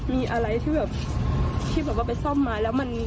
มีอะไรที่แบบที่แบบว่าไปซ่อมมาแล้วมัน